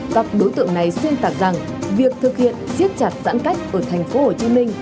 các đối tượng này xuyên tạc rằng việc thực hiện siết chặt giãn cách ở thành phố hồ chí minh